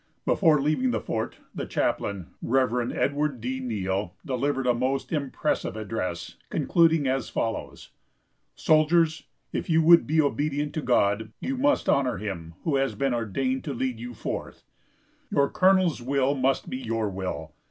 Before leaving the fort the chaplain, Rev. Edward D. Neill, delivered a most impressive address, concluding as follows: "Soldiers: If you would be obedient to God, you must honor him who has been ordained to lead you forth. Your colonel's will must be your will.